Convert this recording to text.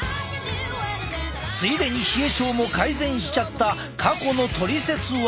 ついでに冷え症も改善しちゃった過去のトリセツ技！